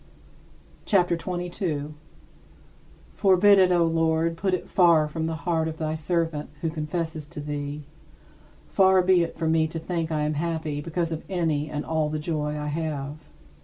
CHAPTER XXII 32. Forbid it, O Lord, put it far from the heart of thy servant, who confesses to thee far be it from me to think I am happy because of any and all the joy I have.